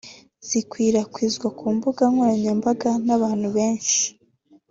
… zikwirwakwizwa ku mbuga nkoranyambaga n’abantu benshi